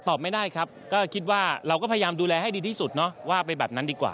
ไม่ได้ครับก็คิดว่าเราก็พยายามดูแลให้ดีที่สุดเนาะว่าไปแบบนั้นดีกว่า